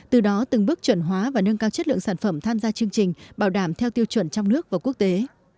từ đó từng bước chuẩn hóa và nâng cao chất lượng sản phẩm tham gia chương trình bảo đảm theo tiêu chuẩn trong nước và quốc tế